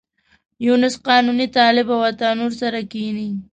یونس قانوني، طالب او عطا نور سره کېني.